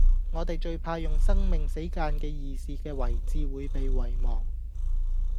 我地最怕用生命死諫既義士既遺志會被遺忘